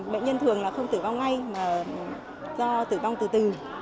bệnh nhân thường là không tử vong ngay mà do tử vong từ từ